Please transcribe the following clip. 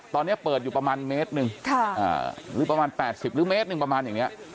ตอนนี้เปิดอยู่ประมาณเมตรหนึ่งหรือประมาณ๘๐หรือเมตรหนึ่งประมาณอย่างนี้